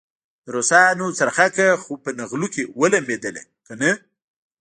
د روسانو څرخکه خو په نغلو کې ولمبېدله کنه.